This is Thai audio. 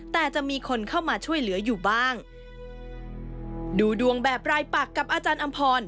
แต่จะมีคนเข้ามาช่วยเหลืออยู่บ้างดูดวงแบบรายปักกับอาจารย์อำพร